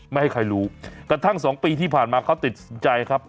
ไม่ให้ใครรู้กระทั่ง๒ปีที่ผ่านมาเขาติดสินใจครับ